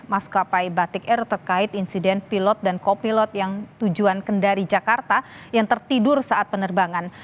maskapai batik air terkait insiden pilot dan kopilot yang tujuan kendari jakarta yang tertidur saat penerbangan